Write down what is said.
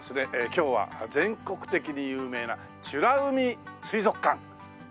今日は全国的に有名な美ら海水族館ね。